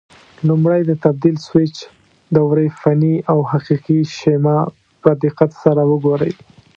لومړی د تبدیل سویچ د دورې فني او حقیقي شیما په دقت سره وګورئ.